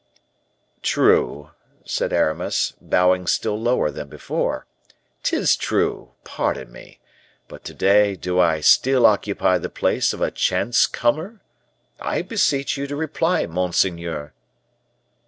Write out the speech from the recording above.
"True," said Aramis, bowing still lower than before, "'tis true; pardon me, but to day do I still occupy the place of a chance comer? I beseech you to reply, monseigneur."